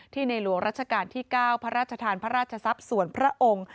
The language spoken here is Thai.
ในหลวงรัชกาลที่๙พระราชทานพระราชทรัพย์ส่วนพระองค์